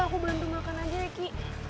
aku bantu makan aja ya ki